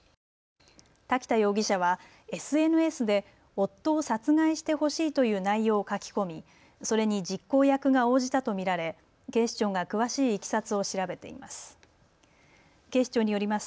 瀧田容疑者はＳＮＳで夫を殺害してほしいという内容を書き込みそれに実行役が応じたと見られ警視庁が詳しいいきさつを調べています。